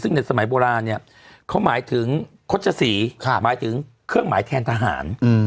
ซึ่งในสมัยโบราณเนี่ยเขาหมายถึงโฆษศรีหมายถึงเครื่องหมายแทนทหาร